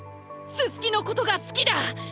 ススキのことが好きだ。